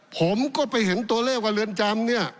ผมก็ไปเห็นตัวเลขว่าเรือนจำเนี่ย